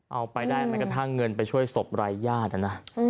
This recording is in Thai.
เอาไปได้แม้กระทั่งเงินไปช่วยศพรายญาตินะ